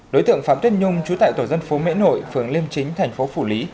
đối tượng phạm tuyết nhung trú tại tổ dân phố mễ nội phường liêm chính thành phố phủ lý